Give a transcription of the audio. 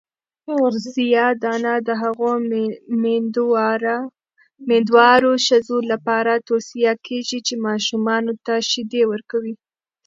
سیاه دانه د هغو میندوارو ښځو لپاره توصیه کیږي چې ماشومانو ته شیدې ورکوي.